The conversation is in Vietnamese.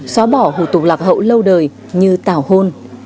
xóa bỏ hủ tục lạc hậu lâu đời như tào hôn